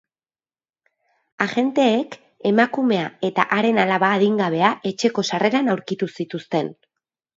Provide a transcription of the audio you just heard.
Agenteek emakumea eta haren alaba adingabea etxeko sarreran aurkitu zituzten.